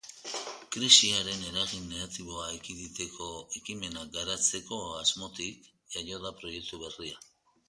Krisiaren eragin negatiboa ekiditeko ekimenak garatzeko asmotik jaio da proiektu berria.